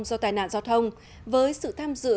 do tài nạn giao thông với sự tham dự